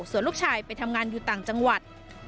ส่วนลูกชายไปทำงานอยู่ต่างจังหวัด